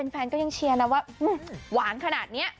แฟนก็ยังเชียร์นะว่าหวานขนาดนี้